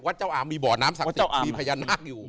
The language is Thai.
วัดเจ้าอามมีบ่อน้ำศักดิ์มีพญานาคอยู่